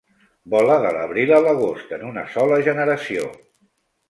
Vola de l'abril a l'agost en una sola generació.